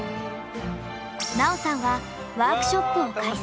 奈緒さんはワークショップを開催。